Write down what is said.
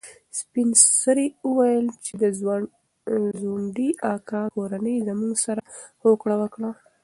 سپین سرې وویل چې د ځونډي اکا کورنۍ زموږ سره هوکړه وکړه.